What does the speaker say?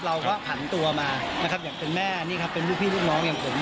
เราก็ผันตัวมานะครับอย่างเป็นแม่นี่ครับเป็นลูกพี่ลูกน้องอย่างผม